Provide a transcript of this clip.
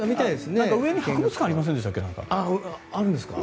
上に博物館ありませんでしたっけ？